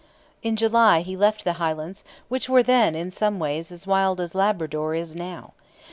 In July he left the Highlands, which were then, in some ways, as wild as Labrador is now.